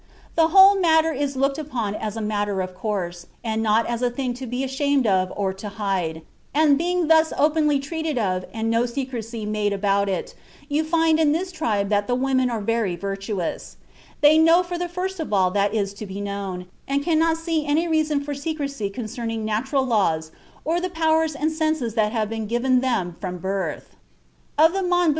"The whole matter is looked upon as a matter of course, and not as a thing to be ashamed of or to hide, and, being thus openly treated of and no secrecy made about it, you find in this tribe that the women are very virtuous. They know from the first all that is to be known, and cannot see any reason for secrecy concerning natural laws or the powers and senses that have been given them from birth." (Zeitschrift für Ethnologie, 1898, Heft 6, p.